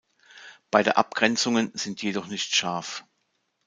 Beide Abgrenzungen sind jedoch nicht scharf.